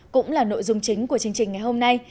cũng là nội dung chính của chương trình ngày hôm nay